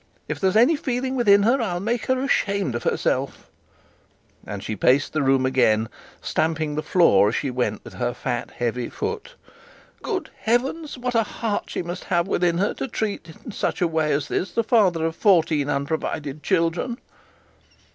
If there's any feeling within her, I'll make her ashamed of herself,' and she paced the room again, stamping the floor as she went with her fat heavy foot. 'Good heavens! What a heart she must have within her to treat in such a way as this the father of fourteen unprovided children!'